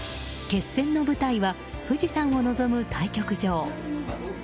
決戦の舞台は富士山を望む対局場。